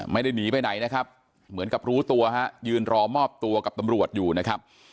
ไม่ได้หนีไปไหนนะครับเหมือนกับรู้ตัวฮะยืนรอมอบตัวกับตำรวจอยู่นะครับ